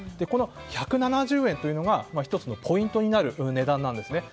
この１７０円というのが１つのポイントになる値段なんです。